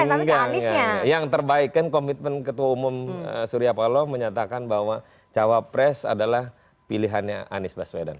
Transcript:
enggak enggak enggak yang terbaikkan komitmen ketua umum surya paloh menyatakan bahwa cowok pres adalah pilihannya anies baswedan